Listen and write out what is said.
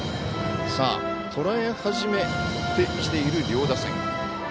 とらえ始めてきている両打線。